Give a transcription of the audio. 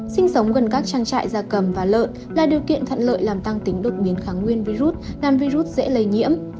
sinh sống gần các trang trại da cầm và lợn là điều kiện thận lợi làm tăng tính đột biến kháng nguyên virus làm virus dễ lây nhiễm